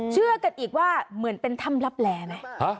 เชื่อกันอีกว่าเหมือนเป็นถ้ำลับแหลไหม